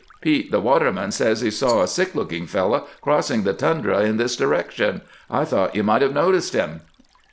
Pete, the waterman, says he saw a sick looking fellow crossing the tundra in this direction. I thought you might have noticed him."